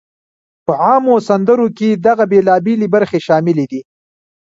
په عامو سندرو کې دغه بېلابېلی برخې شاملې دي: